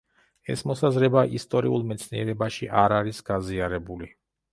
ეს მოსაზრება ისტორიულ მეცნიერებაში არ არის გაზიარებული.